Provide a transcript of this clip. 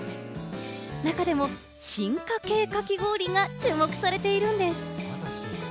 中でも進化系かき氷が注目されているんです。